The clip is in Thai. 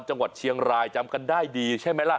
จังหวัดเชียงรายจำกันได้ดีใช่ไหมล่ะ